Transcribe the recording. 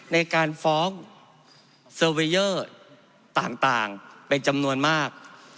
ในการฟ้องต่างต่างเป็นจำนวนมาก